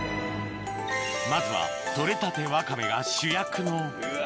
まずは取れたてワカメが主役のうわ！